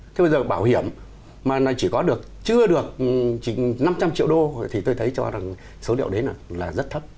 thế bây giờ bảo hiểm mà nó chỉ có được chưa được năm trăm linh triệu đô thì tôi thấy cho rằng số liệu đấy là rất thấp